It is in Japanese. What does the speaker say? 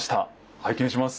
拝見します。